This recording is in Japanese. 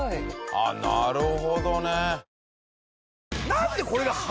あっなるほどね！